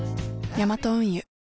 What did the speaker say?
ヤマト運輸